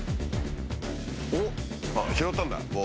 あっ拾ったんだ棒。